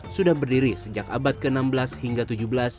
sudah berdiri sejak abad ke enam belas hingga ke tujuh belas